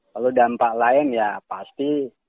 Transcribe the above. kalau dampak lain ya pasti